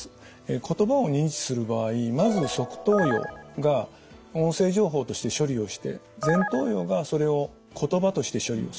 言葉を認知する場合まず側頭葉が音声情報として処理をして前頭葉がそれを言葉として処理をするということになります。